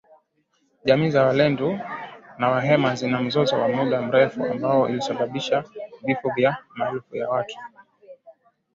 Jamii za walendu na wahema zina mzozo wa muda mrefu ambao ulisababisha vifo vya maelfu ya watu